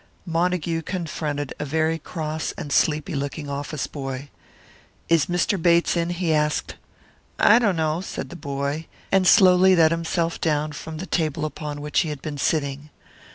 Montague confronted a very cross and sleepy looking office boy. "Is Mr. Bates in?" he asked. "I dunno," said the boy, and slowly let himself down from the table upon which he had been sitting.